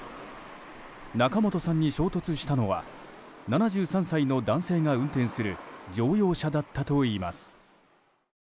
仲本さんに衝突したのは７３歳の男性が運転する乗用車だったといいます。